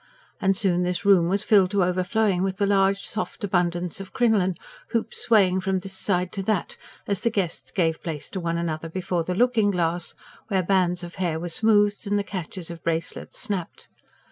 And soon this room was filled to overflowing with the large soft abundance of crinoline; hoops swaying from this side to that, as the guests gave place to one another before the looking glass, where bands of hair were smoothed and the catches of bracelets snapped.